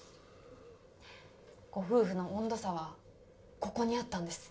ご夫婦の温度差はここにあったんです。